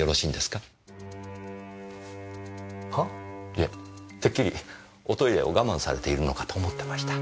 いやてっきりおトイレを我慢されているのかと思ってました。